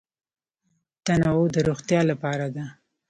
تنوع د روغتیا لپاره ده.